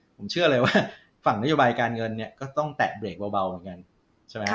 ผมเชื่อเลยว่าฝั่งนโยบายการเงินเนี่ยก็ต้องแตะเบรกเบาเหมือนกันใช่ไหม